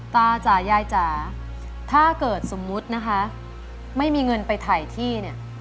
จ๋ายายจ๋าถ้าเกิดสมมุตินะคะไม่มีเงินไปถ่ายที่เนี่ย